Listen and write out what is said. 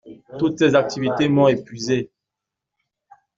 Toutes ces activités m'ont épuisé.